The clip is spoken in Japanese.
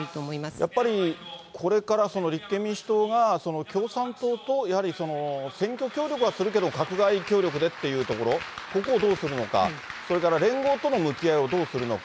やっぱり、これから立憲民主党が共産党とやはり選挙協力はするけども、閣外協力でっていうところ、ここをどうするのか、それから連合との向き合いをどうするのか。